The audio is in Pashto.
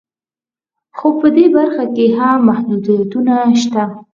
خو په دې برخه کې هم محدودیتونه شته